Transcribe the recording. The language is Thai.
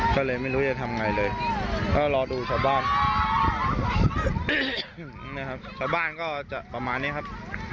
ก็เลยไม่รู้จะทำไงเลยก็รอดูชาวบ้านนะครับชาวบ้านก็จะประมาณนี้ครับ